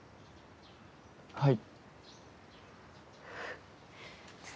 はい。